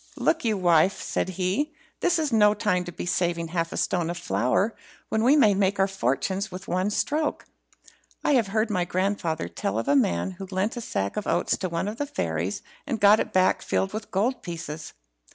"Look you, wife," said he, "this is no time to be saving half a stone of flour when we may make our fortunes at one stroke. I have heard my grandfather tell of a man who lent a sack of oats to one of the fairies, and got it back filled with gold pieces.